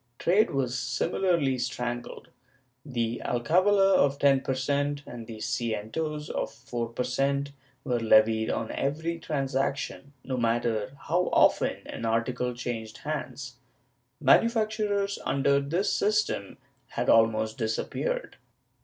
Trade was similarly strangled. The alcavala of 10 per cent, and the cientos of 4 per cent, were levied on every transaction, no matter how often an article changed hands. Manufactures, under this system, had almost disappeared.